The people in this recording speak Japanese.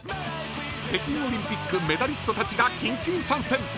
北京オリンピックメダリストたちが緊急参戦。